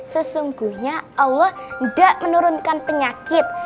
sesungguhnya allah tidak menurunkan penyakit